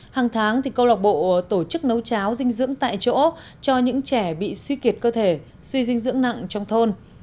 hàng tháng câu lọc bộ tổ chức nấu cháo dinh dưỡng tại chỗ cho những trẻ bị suy kiệt cơ thể suy dinh dưỡng nặng trong thôn